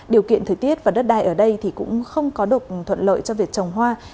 điều kiện thời tiết và đất đai ở đây thì cũng không có được thuận lợi cho việc trồng hoa